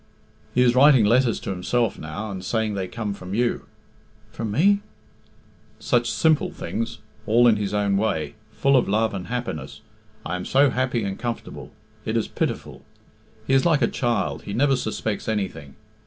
"He is writing letters to himself now, and saying they come from you." "From me?" "Such simple things all in his own way full of love and happiness I am so happy and comfortable it is pitiful. He is like a child he never suspects anything.